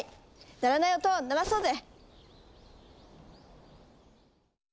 鳴らない音を鳴らそうぜ！